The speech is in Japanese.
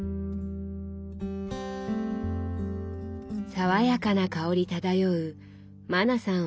爽やかな香り漂うマナさん